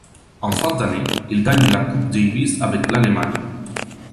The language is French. En fin d'année, il gagne la Coupe Davis avec l'Allemagne.